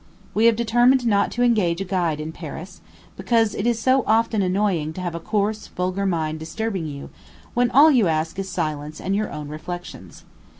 We have determined not to engage a guide in Paris, because it is often annoying to have a coarse, vulgar mind disturbing you, when all you ask is silence and your own reflections.